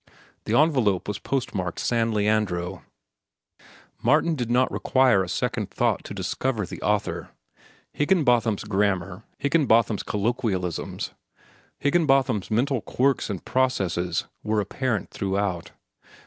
The envelope was postmarked "San Leandro." Martin did not require a second thought to discover the author. Higginbotham's grammar, Higginbotham's colloquialisms, Higginbotham's mental quirks and processes, were apparent throughout.